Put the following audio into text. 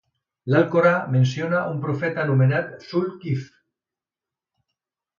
L'Alcorà menciona un profeta anomenat Zul-Kifl.